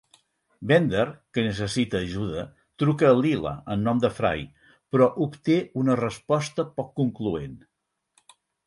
Bender, que necessita ajuda, truca a Leela en nom de Fry, però obté una resposta poc concloent.